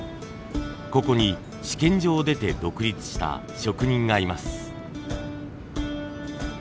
ここに試験場を出て独立した職人がいます。